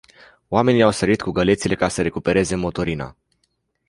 Oamenii au sărit cu gălețile ca să recupereze motorina.